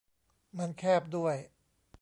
มันแคบด้วย